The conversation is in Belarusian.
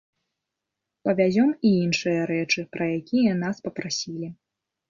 Павязём і іншыя рэчы, пра якія нас папрасілі.